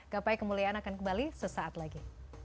gapai kemuliaan akan kembali sesaat lagi